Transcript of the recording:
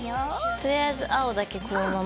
とりあえず青だけこのまま。